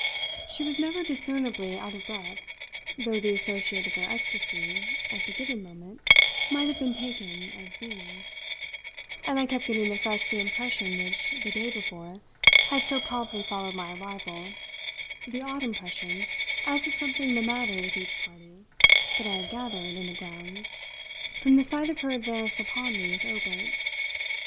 She was never discernibly out of breath, though the associate of her ecstasy at the given moment might have been taken as being; and I kept getting afresh the impression which, the day before, had so promptly followed my arrival, the odd impression, as of something the matter with each party, that I had gathered, in the grounds, from the sight of her advance upon me with Obert.